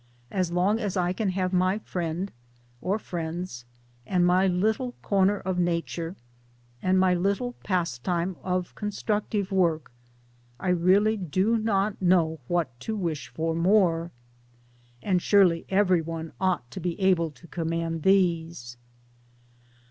As longi as I can have my friend (or friends) and my little corner of Nature, and my little jpastime of constructive work, I really do not know what to wish for more. (And surely every one, ought to be able to command these.)